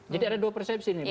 jadi ada dua persepsi ini